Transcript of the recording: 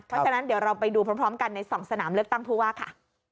เพราะฉะนั้นเดี๋ยวเราไปดูพร้อมกันใน๒สนามเลือกตั้งผู้ว่าค่ะ